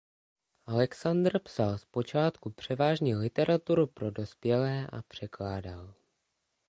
Alexander psal zpočátku převážně literaturu pro dospělé a překládal.